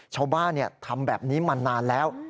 ชาวบ้านทำแบบนี้มานานแล้ว